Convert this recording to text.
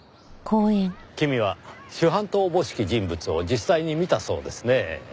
君は主犯とおぼしき人物を実際に見たそうですねぇ。